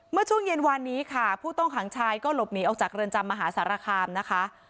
เมื่อช่วงเย็นวานนี้ค่ะผู้ต้องขังชายก็หลบหนีออกจากเรือนจำมหาสารคามนะคะ